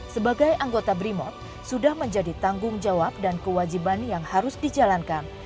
sebagai anggota brimop sudah menjadi tanggung jawab dan kewajiban yang harus dijalankan